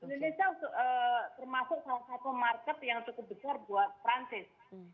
indonesia termasuk salah satu market yang cukup besar buat perancis